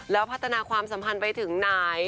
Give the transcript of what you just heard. แล้วพัฒนาความสัมพันธ์ไปถึงไหน